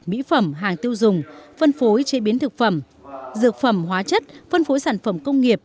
mỹ phẩm hàng tiêu dùng phân phối chế biến thực phẩm dược phẩm hóa chất phân phối sản phẩm công nghiệp